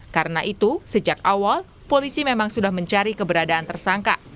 karena itu sejak awal polisi memang sudah mencari keberadaan tersangka